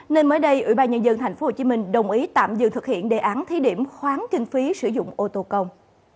nên mới đây ủy ban nhân dân tp hcm đồng ý tạm dừng thực hiện đề án thí điểm khoáng kinh phí sử dụng ô tô công